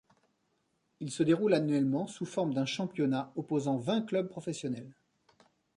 Il se déroule annuellement sous forme d'un championnat opposant vingt clubs professionnels.